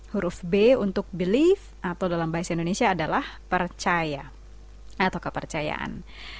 huruf b untuk belief atau dalam bahasa indonesia adalah percaya atau kepercayaan